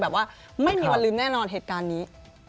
แบบว่าไม่มีวันลืมแน่นอนเหตุการณ์นี้